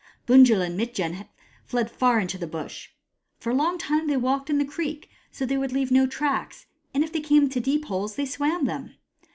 Bunjil and Mitjen had fled far into the Bush. For a long time they walked in the creek, so that they would leave no tracks, and if they came to deep holes, they swam them.